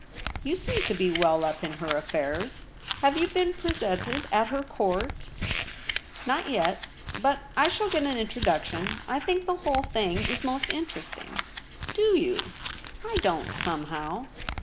' You seem to be well up in her affairs. Have you been presented at her court ?'' Not yet ; but I shall get an introduc tion. I think the whole thing is most in teresting.' * Do you ? I don't, somehow.